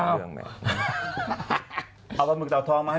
เอาปลาหมึกเตาทองมา